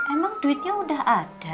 emang duitnya udah ada